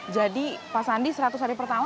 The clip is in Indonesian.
jadi pak sandi seratus hari pertama